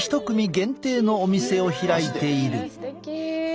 すてき。